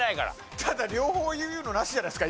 ただ両方言うのなしじゃないですか。